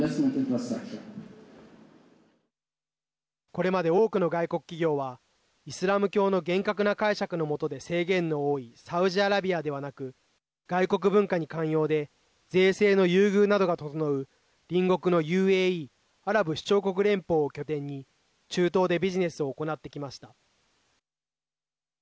これまで多くの外国企業はイスラム教の厳格な解釈の下で制限の多いサウジアラビアではなく外国文化に寛容で税制の優遇などが整う隣国のＵＡＥ＝アラブ首長国連邦を拠点に中東でビジネスを行ってきました。